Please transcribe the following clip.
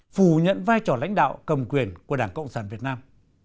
phủ nhận vai trò lãnh đạo cầm quyền của đảng cộng sản việt nam